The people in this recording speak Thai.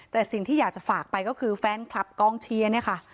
แต่สิ่งที่อยากจะฝากไปก็คือแฟนคลับกองเชียร์เนี่ยค่ะ